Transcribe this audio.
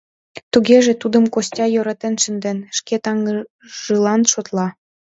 Тугеже, тудым Костя йӧратен шынден, шке таҥжылан шотла.